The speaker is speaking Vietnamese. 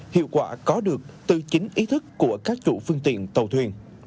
hiệu quả có được từ chính ý thức của các chủ phương tiện tàu thuyền